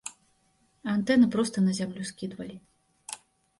А антэны проста на зямлю скідвалі.